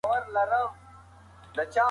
که دروازه خلاصه شي، هلک به په منډه ننوځي.